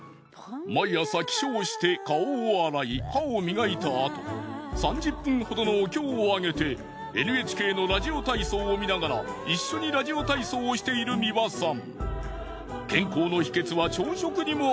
毎朝起床して顔を洗い歯を磨いたあと３０分ほどのお経をあげてＮＨＫのラジオ体操を観ながら一緒にラジオ体操をしている美輪さん。